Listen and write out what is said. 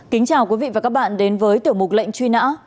kính chào quý vị và các bạn đến với tiểu mục lệnh truy nã